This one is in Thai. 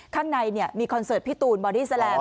ข้างในเนี่ยมีคอนเสิร์ตพี่ตูนบอร์ดี้แซลัม